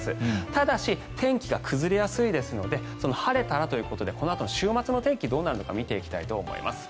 ただし天気が崩れやすいですのでその晴れたらということでこのあとの週末の天気を見ていきたいと思います。